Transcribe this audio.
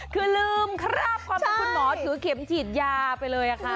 คืออย่าลืมครับความว่าคุณหมอถือเข็มฉีดยาไปเลยอะค่ะ